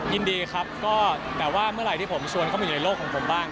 ยินดีครับก็แต่ว่าเมื่อไหร่ที่ผมชวนเข้ามาอยู่ในโลกของผมบ้าง